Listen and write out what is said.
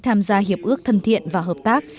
tham gia hiệp ước thân thiện và hợp tác